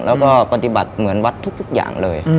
แล้วก็ปฏิบัติเหมือนวัดทุกอย่างเลย